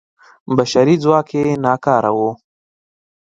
بشري ځواک یې ناکاره و.